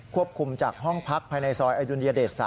คุมจากห้องพักภายในซอยอดุลยเดช๓